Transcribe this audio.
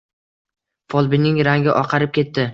Folbinning rangi oqarib ketdi